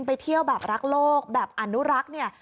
ไปเที่ยวแบบรักโลกแบบอนุรักษ์เนี่ย